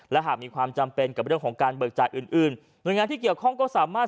และหากมีความจำเป็นกับเรื่องของการเบิกจ่ายอื่นอื่นหน่วยงานที่เกี่ยวข้องก็สามารถ